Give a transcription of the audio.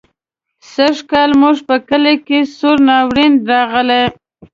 سږکال زموږ په کلي کې سوړ ناورين راغی.